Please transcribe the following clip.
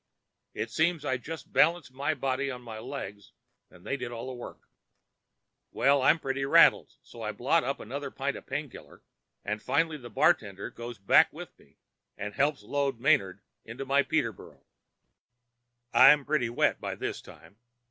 It seems I just balanced my body on my legs and they did all the work. "Well, I'm pretty well rattled, so I blot up another pint of pain killer, and finally the bartender goes back with me and helps load Manard into my Peterboro. I'm pretty wet by this time.